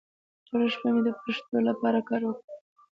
ټوله شپه مې د پښتو لپاره کار وکړ.